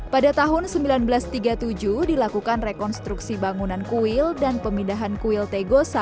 pada tahun seribu sembilan ratus tiga puluh tujuh dilakukan rekonstruksi bangunan kuil dan pemindahan kuil tegosa